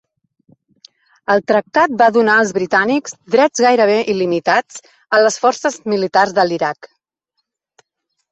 El tractat va donar als britànics drets gairebé il·limitats a les forces militars de l'Iraq.